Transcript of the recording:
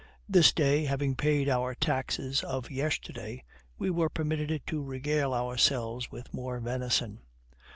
This day, having paid our taxes of yesterday, we were permitted to regale ourselves with more venison.